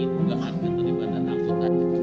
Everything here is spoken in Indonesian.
dugaan ketelipatan amputan